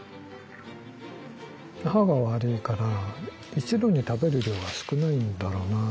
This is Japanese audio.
歯が悪いから一度に食べる量が少ないんだろうな。